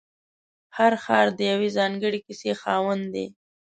هر ښار د یوې ځانګړې کیسې خاوند دی.